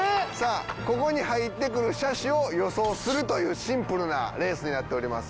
ここに入ってくる車種を予想するというシンプルなレースになっております。